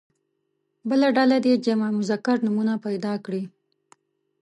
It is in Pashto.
بله ډله دې جمع مذکر نومونه پیدا کړي.